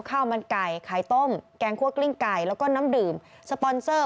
ข้าวมันไก่ไข่ต้มแกงคั่วกลิ้งไก่แล้วก็น้ำดื่มสปอนเซอร์